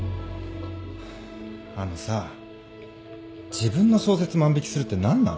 あのさ自分の小説万引するって何なの？